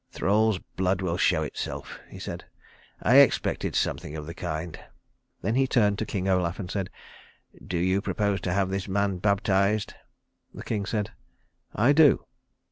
"Thrall's blood will show itself," he said. "I expected something of the kind." Then he turned to King Olaf and said, "Do you propose to have this man baptized?" The king said, "I do."